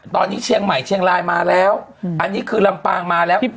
ตอนนี้เชียงใหม่เชียงรายมาแล้วอันนี้คือลำปางมาแล้ว